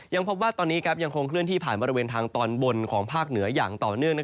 ยังพบว่าตอนนี้ยังคงเคลื่อนที่ผ่านบริเวณทางตอนบนของภาคเหนืออย่างต่อเนื่อง